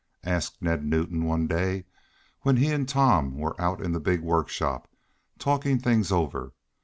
asked Ned Newton one day, when he and Tom were out in the big workshop, talking things over.